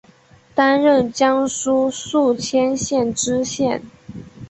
担任江苏宿迁县知县。